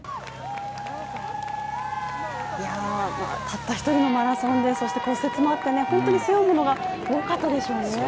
たった一人のマラソンでそして骨折もあって本当に背負うものが多かったでしょうね。